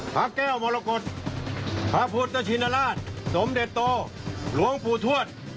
พระแก้วมรกฏพระพุทธชินราชสมเด็จโตหลวงปู่ทวด